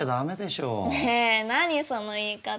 ねえ何その言い方。